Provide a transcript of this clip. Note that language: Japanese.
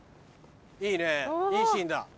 いいねいいシーンだ。